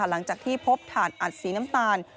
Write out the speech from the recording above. หลังจากที่พบถ่านอัดสีน้ำตาล